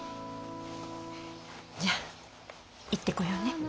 じゃあ行ってこようね。